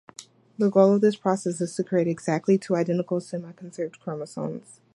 The goal of this process is to create exactly two identical semi-conserved chromosomes.